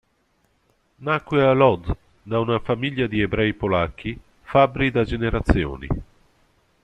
Nacque a Łódź da una famiglia di ebrei polacchi, fabbri da generazioni.